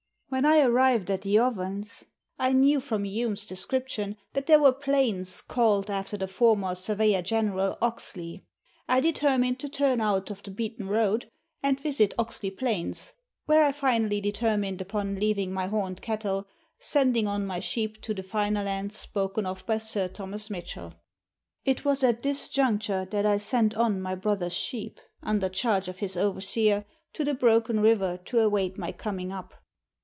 When. I arrived at the Ovens, I knew from Hume's descrip tion that there were plains, called, after the former Surveyor General, Oxley. I determined to turn out of the beaten road and visit Oxley Plains, where I finally determined upon leaving my horned cattle, sending on my sheep to the finer lands spoken of by Sir Thomas Mitchell. It was at this juncture that I sent on my brother's sheep, under charge of his overseer, to the Broken River to await my coming up.